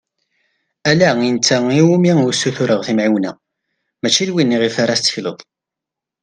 Ala i netta iwumi ur ssutureɣ timεiwna, mačči d win iɣef ara tettekleḍ.